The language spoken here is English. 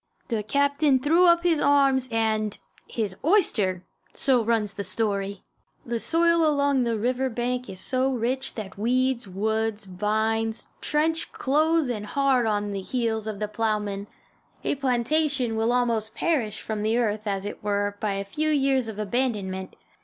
The captain threw up his arms and his oyster! so runs the story. The soil along the river bank is so rich that weeds, woods, vines, trench close and hard on the heels of the plowman. A plantation will almost perish from the earth, as it were, by a few years of abandonment.